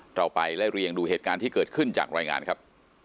เราไปไล่เรียงดูเหตุการณ์ที่เกิดขึ้นจากรายงานครับ